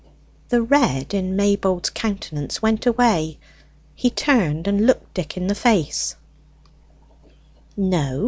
The red in Maybold's countenance went away: he turned and looked Dick in the face.